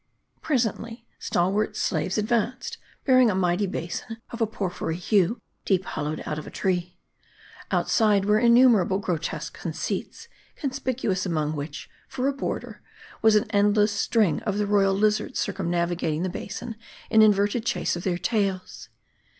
Presently, stalwart slaves advanced ; bearing a mighty basin of a porphyry hue, deep hollowed out of a tree. Outside, were innumerable grotesque conceits ; conspicuous among which, for a border, was an endless string of the royal lizards circumnavigating the basin in inverted qhase of their tails.